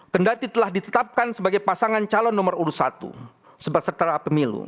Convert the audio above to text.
bundati telah ditetapkan sebagai pasangan calon nomor urus satu sebab setara pemilu